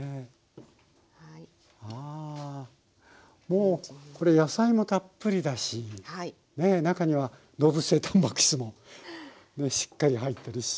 もうこれ野菜もたっぷりだし中には動物性たんぱく質もしっかり入ってるし。